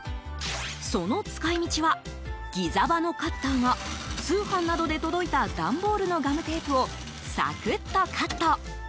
その使い道はギザ刃のカッターが通販などで届いた段ボールのガムテープを、サクッとカット。